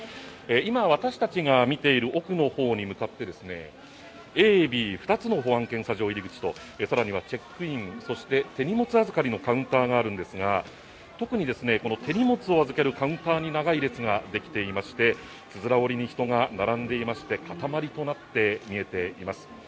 今、私たちが見ている奥のほうに向かってＡ、Ｂ２つの保安検査場入り口と更にはチェックインそして手荷物預かりのカウンターがあるんですが特に手荷物を預けるカウンターに長い列ができていましてつづら折りに人が並んでいまして固まりとなって見えています。